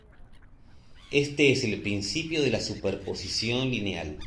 Este es el principio de superposición lineal.